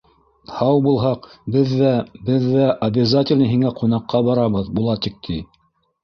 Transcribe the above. — Һау булһаҡ, беҙ ҙә, беҙ ҙә... обязательно һиңә ҡунаҡҡа барабыҙ, Булатик, — ти.